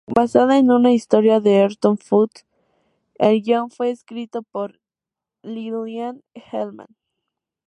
Basada en una historia de Horton Foote, el guion fue escrito por Lillian Hellman.